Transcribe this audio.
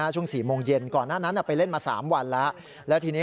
ช่วง๔โมงเย็นก่อนหน้านั้นไปเล่นมา๓วันแล้วทีนี้